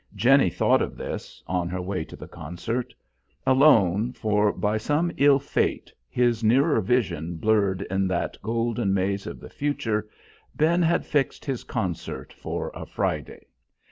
Jenny thought of this, on her way to the concert; alone, for by some ill fate, his nearer vision blurred in that golden maze of the future, Ben had fixed his concert for a Friday.